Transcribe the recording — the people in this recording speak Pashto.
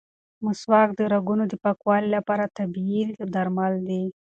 مسواک د رګونو د پاکوالي لپاره طبیعي درمل دي.